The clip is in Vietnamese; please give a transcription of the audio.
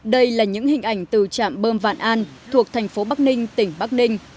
đây là những hình ảnh từ trạm bơm vạn an thuộc thành phố bắc ninh tỉnh bắc ninh